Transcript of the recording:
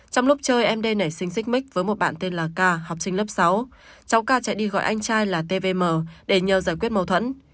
trong lúc chơi em đ nảy sinh xích mít với một bạn tên là k học sinh lớp sáu cháu k chạy đi gọi anh trai là t v m để nhờ giải quyết mâu thuẫn